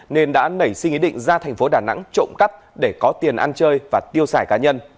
nên đã nảy sinh ý định ra thành phố đà nẵng trộm cắp để có tiền ăn chơi và tiêu xài cá nhân